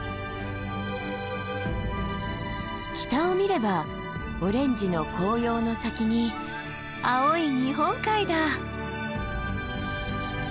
北を見ればオレンジの紅葉の先に青い日本海だ。